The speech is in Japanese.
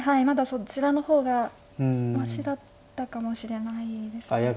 まだそちらの方がましだったかもしれないですね。